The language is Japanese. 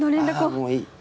あもういい。